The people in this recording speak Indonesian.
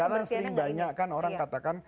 karena sering banyak kan orang katakan